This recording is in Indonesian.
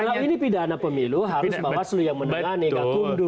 kalau ini pidana pemilu harus bawaslu yang mendengar nih kak kundo